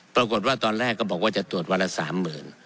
ปรากฏว่าตอนแรกก็บอกว่าจะตรวจวันละ๓๐๐๐